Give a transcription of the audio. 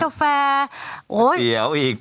โอ้เยี้ยโอ้